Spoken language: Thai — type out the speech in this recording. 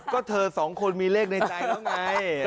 ก็เธอสองคนมีเลขในใจแล้วไง